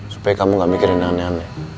supaya kamu gak mikirin aneh aneh